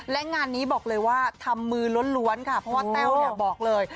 และงานนี้บอกเลยว่าทำมือล้นนะคะพอเต้วเนี่ยบอกเลย